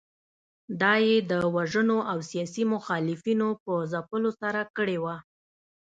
دا یې د وژنو او سیاسي مخالفینو په ځپلو سره کړې وه.